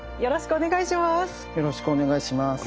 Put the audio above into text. お願いします！